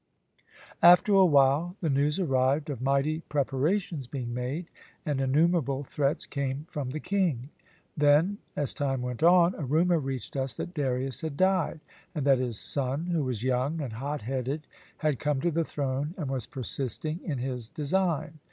After a while, the news arrived of mighty preparations being made, and innumerable threats came from the king. Then, as time went on, a rumour reached us that Darius had died, and that his son, who was young and hot headed, had come to the throne and was persisting in his design.